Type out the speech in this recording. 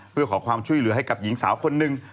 เพื่อขอความช่วยเหลือให้กับหญิงสาวคนหนึ่ง